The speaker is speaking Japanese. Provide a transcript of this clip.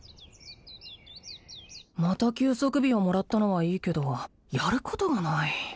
また休息日をもらったのはいいけどやることがない